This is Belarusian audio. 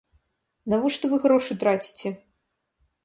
Навошта вы грошы траціце?